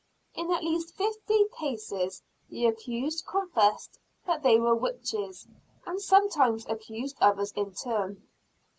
In at least fifty cases, the accused confessed that they were witches, and sometimes accused others in turn.